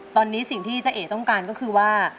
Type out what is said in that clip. ตอนนี้สิ่งที่เจ๊เอ๋ต้องการก็คือว่า